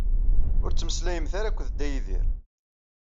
Ur ttmeslayemt ara akked Dda Yidir.